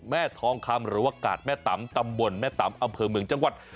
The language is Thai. แม่ทองคำหรือว่ากาดแม่ตำตำบลแม่ตำอำเภอเมืองจังหวัด